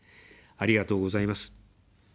ありがとうございます。